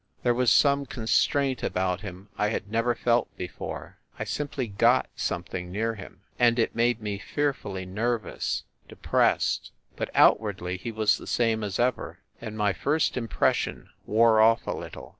There was some con straint about him I had never felt before. I simply "got" something near him, and it made me fear fully nervous, depressed. But outwardly he was the same as ever, and my first impression wore off a little.